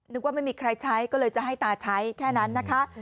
ว่าไม่มีใครใช้ก็เลยจะให้ตาใช้แค่นั้นนะคะ